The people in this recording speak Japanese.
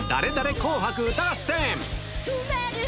紅白歌合戦。